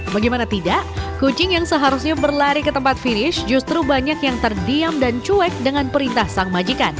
bagaimana tidak kucing yang seharusnya berlari ke tempat finish justru banyak yang terdiam dan cuek dengan perintah sang majikan